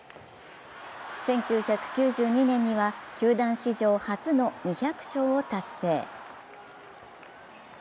１９９２年には球団史上初の２００勝を達成。